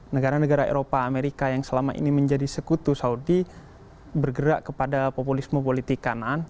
negara negara eropa amerika yang selama ini menjadi sekutu saudi bergerak kepada populisme politik kanan